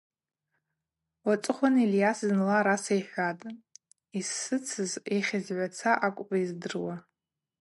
Уацӏыхъван Ильйас зынла араса йхӏватӏ: –Йсыцыз йыхьызгӏваца акӏвпӏ йыздыруа.